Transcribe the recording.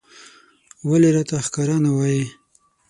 ولې راته ښکاره نه وايې